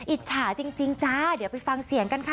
อิจฉาจริงจ้าเดี๋ยวไปฟังเสียงกันค่ะ